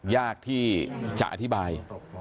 ยากที่จะอธิบาย